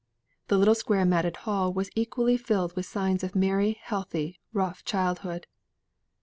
The little square matted hall was equally filled with signs of merry healthy rough childhood.